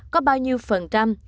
có bao nhiêu phần trăm